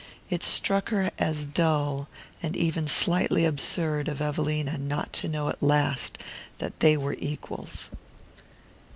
It struck her as dull, and even slightly absurd, of Evelina not to know at last that they were equals.